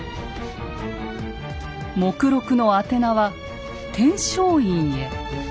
目録の宛名は「天璋院へ」。